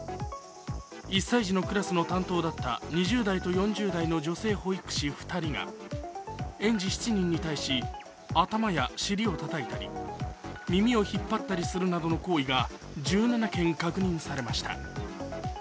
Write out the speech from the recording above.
１歳児のクラスの担当だった２０代と４０代の女性保育士２人が園児７人に対し、頭を尻をたたいたり、耳を引っ張ったりするなどの行為が１７件確認されました。